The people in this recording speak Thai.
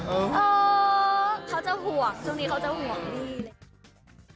เออเขาจะห่วงช่วงนี้เขาจะห่วงพี่เลย